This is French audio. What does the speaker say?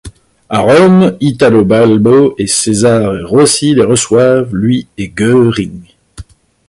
À Rome, Italo Balbo et Cesare Rossi les reçoivent, lui et Göring.